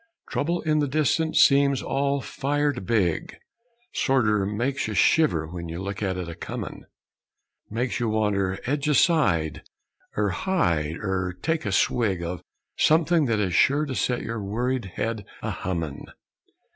Trouble in the distance seems all fired big Sorter makes you shiver when you look at it a comin'; Makes you wanter edge aside, er hide, er take a swig Of somethin' that is sure to set your worried head a hummin'.